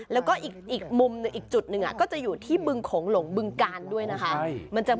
แล้วก็อีกมุมหนึ่งอีกจุดหนึ่งก็จะอยู่ที่บึงโขงหลงบึงกาลด้วยนะคะ